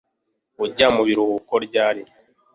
Ujya mubiruhuko ryari